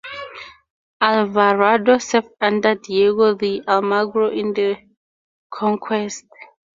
Alvarado served under Diego de Almagro in the conquest.